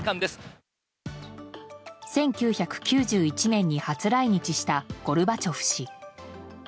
１９９１年に初来日したゴルバチョフ氏。